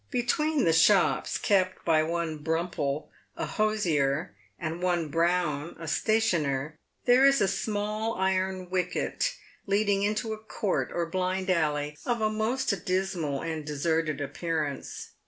Between the shops kept by one Bumprel, a hosier, and one Brown, a stationer, there is a small iron wicket leading into a court or blind alley, of a most dismal and deserted appearance.